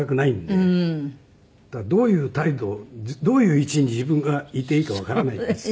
だからどういう態度をどういう位置に自分がいていいかわからないんです。